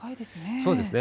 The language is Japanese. そうですね。